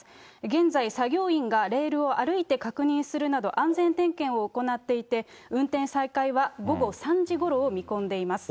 現在、作業員がレールを歩いて確認するなど、安全点検を行っていて、運転再開は午後３時ごろを見込んでいます。